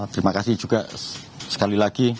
terima kasih juga sekali lagi